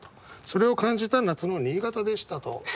それを感じた夏の新潟でしたと。